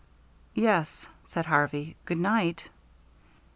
"Yes," said Harvey. "Good night."